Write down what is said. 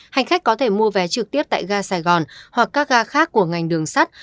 hành khách có thể mua vé trực tiếp tại ga sài gòn hoặc các ga khác của ngành đường sắt